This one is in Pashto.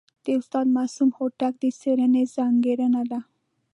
د استاد معصوم هوتک د څېړني ځانګړنه ده.